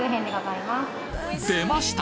出ました！